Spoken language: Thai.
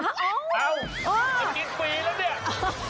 เอ้าจะกินฟรีแล้วเนี่ย